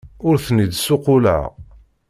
Ur ten-id-ssuqquleɣ.